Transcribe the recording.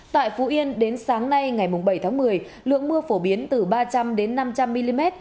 tại phú yên đến sáng nay ngày bảy tháng một mươi lượng mưa phổ biến từ ba trăm linh năm trăm linh mm